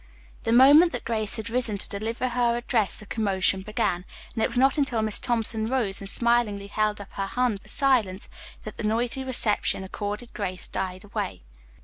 The moment that Grace had risen to deliver her address the commotion began, and it was not until Miss Thompson rose and smilingly held up her hand for silence that the noisy reception accorded Grace died away.